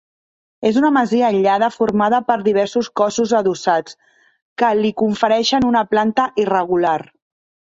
És una masia aïllada formada per diversos cossos adossats, que li confereixen una planta irregular.